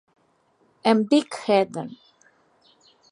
Em dic Heather.